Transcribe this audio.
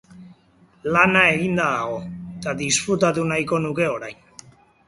Lana eginda dago, eta disfrutatu nahiko nuke orain.